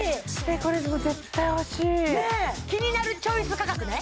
これ絶対欲しいねっ「キニナルチョイス」価格ね？